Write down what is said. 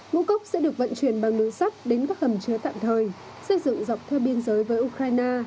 ngũ cốc sẽ được vận chuyển bằng đường sắt đến các hầm chứa tạm thời xây dựng dọc theo biên giới với ukraine